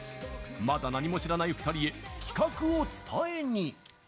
まだ何も知らない２人へ企画を伝えに。